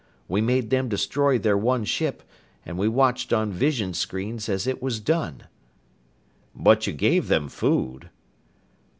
We made them destroy their one ship, and we watched on visionscreens as it was done." "But you gave them food?"